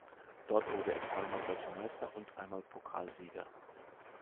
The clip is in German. Dort wurde er zweimal deutscher Meister und einmal Pokalsieger.